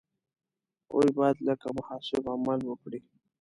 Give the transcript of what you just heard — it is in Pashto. هغوی باید لکه محاسب عمل وکړي.